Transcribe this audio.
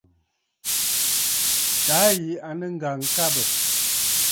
Taà yì à nɨ̂ ŋ̀gàŋkabə̂.